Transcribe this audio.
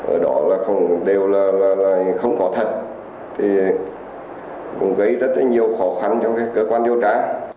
ở đó đều là không có thật thì cũng gây rất nhiều khó khăn cho cơ quan điều tra